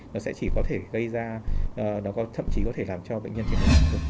nó sẽ chỉ có thể gây ra nó có thậm chí có thể làm cho bệnh nhân trực tiếp sử dụng